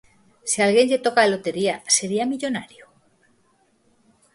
Se a alguén lle toca a lotería, sería millonario?